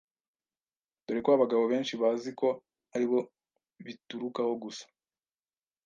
dore ko abagabo benshi bazi ko aribo biturukaho gusa